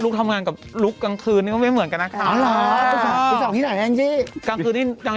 เขาเขินเขาเขิน